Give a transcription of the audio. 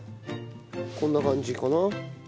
こんな感じかな？